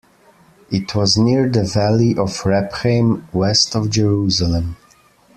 It was near the Valley of Rephaim, west of Jerusalem.